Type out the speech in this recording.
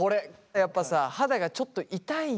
やっぱさ肌がちょっと痛いんだよね。